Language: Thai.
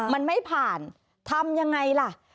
มันไม่ผ่านทำยังไงล่ะ